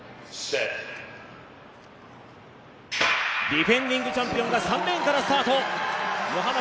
ディフェンディングチャンピオンが３レーンからスタート。